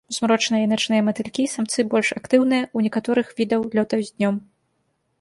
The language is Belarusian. Змрочныя і начныя матылькі, самцы больш актыўныя, у некаторых відаў лётаюць днём.